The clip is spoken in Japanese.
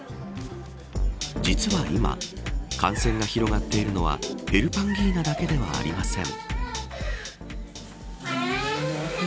実は今、感染が広がっているのはヘルパンギーナだけではありません。